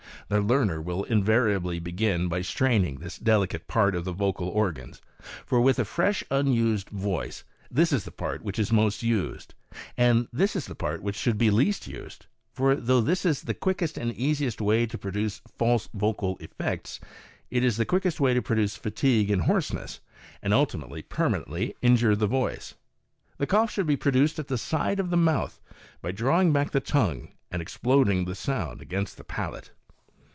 The learner will invariably begin by straining this delicate part of the vocal organs, for with afresh, unused voice, this is the part which is most used, and this is the part which sJwuld be least used; for though this is the quickest and easiest way to produce false vocal effects, it is the quickest way to produce fatigue and hoarseness, and ultimately permanently injure the voice. The cough should be produced at the side of the mouth, by drawing back the tongue and exploding the sound against the palate.)